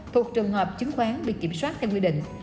thuộc trường hợp chứng khoán bị kiểm soát theo quy định